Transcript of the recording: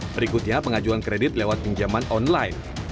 berikutnya pengajuan kredit lewat pinjaman online